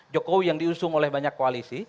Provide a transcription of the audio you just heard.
jokowi yang diusung oleh banyak koalisi